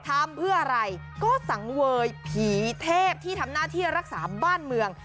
ทำเพื่ออะไรก็สังเวยผีเทพที่ทำหน้าที่รักษาบ้านเมือง